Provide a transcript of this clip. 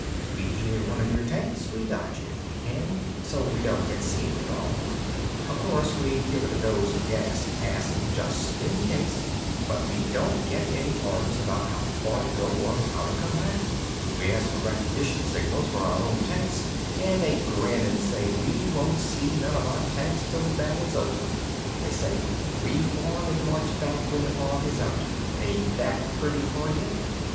We hear one of your tanks, we dodge it if we can, so we don't get seen at all. O'course we give it a dose of gas in passing, just in case. But we don't get any orders about how far to go or how to come back. We ask for recognition signals for our own tanks, an' they grin an' say we won't see none of our tanks till the battle's over. They say 'Re form an' march back when the fog is out.' Ain't that pretty for you?"